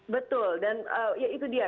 betul dan ya itu dia